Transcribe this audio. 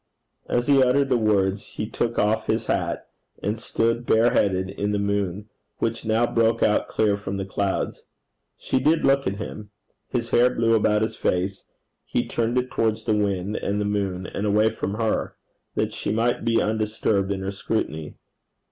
As he uttered the words, he took off his hat, and stood bare headed in the moon, which now broke out clear from the clouds. She did look at him. His hair blew about his face. He turned it towards the wind and the moon, and away from her, that she might be undisturbed in her scrutiny.